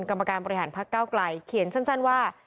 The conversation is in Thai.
กรรมการบริหารพักเก้าไกลเขียนสั้นว่า